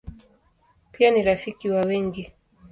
Pia ni rafiki wa wengi.